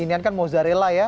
mungkin kan mozzarella ya